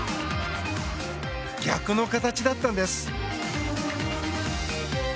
逆の形だったんです。